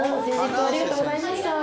ありがとうごさいました。